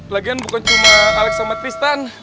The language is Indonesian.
lagian bukan cuma alexander tristan